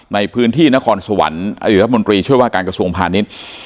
ในพื้นที่นครสวรรค์อดีตรัฐมนตรีช่วยว่าการกระทรวงพาณิชย์